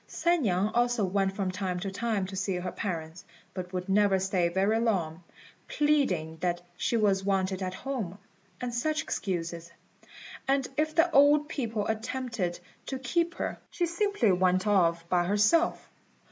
San niang also went from time to time to see her parents, but would never stay very long, pleading that she was wanted at home, and such excuses; and if the old people attempted to keep her, she simply went off by herself.